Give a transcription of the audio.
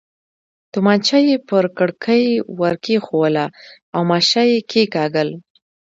تومانچه یې پر ککرۍ ور کېښووله او ماشه یې کېکاږل.